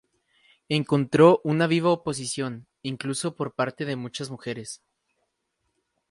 Encontró una viva oposición, incluso por parte de muchas mujeres.